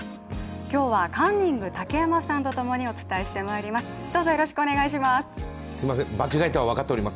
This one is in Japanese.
今日はカンニング竹山さんとともにお伝えしてまいります。